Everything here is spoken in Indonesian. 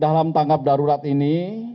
dalam tanggap darurat ini